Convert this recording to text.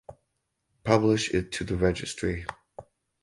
publish it to the registry